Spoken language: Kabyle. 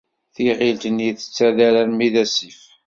Tiɣilt-nni tettader arma d asif.